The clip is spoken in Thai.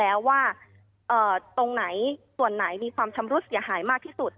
แล้วว่าตรงไหนส่วนไหนมีความชำรุดเสียหายมากที่สุด